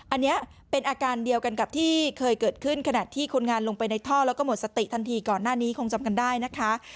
อันนี้เป็นอาการเดียวกันกับที่เคยเกิดขึ้นขณะที่คนงานลงไปในท่อแล้วก็หมดสติทันทีก่อนหน้านี้คงจำกันได้นะคะ